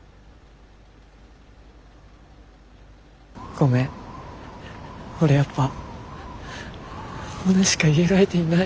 ごめん俺やっぱモネしか言える相手いない。